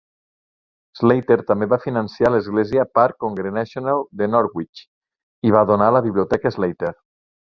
Slater també va finançar l'església Park Congregational de Norwich i va donar la Biblioteca Slater.